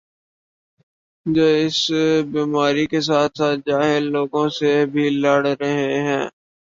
جو اس بیماری کے ساتھ ساتھ جاہل لوگوں سے بھی لڑ رہے ہیں